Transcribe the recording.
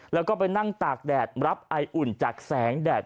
แล้วก็ไปนั่งตากแดดรับไออุ่นจากแสงแดด